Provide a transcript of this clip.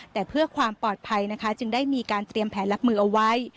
แต่เพื่อความปลอดภัยนะคะจึงได้มีการเตรียมแผนรับมือเอาไว้